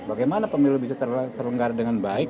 bagaimana pemilu bisa terselenggara dengan baik